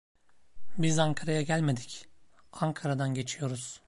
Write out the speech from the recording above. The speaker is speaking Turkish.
Biz Ankara'ya gelmedik, Ankara'dan geçiyoruz.